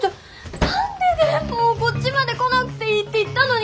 何でもうこっちまで来なくていいって言ったのに！